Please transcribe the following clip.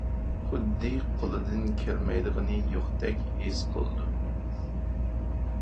خۇددى قولىدىن كەلمەيدىغىنى يوقتەك ھېس قىلىدۇ.